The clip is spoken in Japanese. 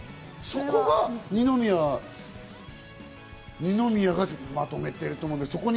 そこが二宮がまとめてると思う。